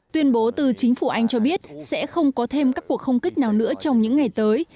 tuyên bố từ chính phủ anh cho biết sẽ không có thêm các cuộc không kích nào nữa trong những ngày tới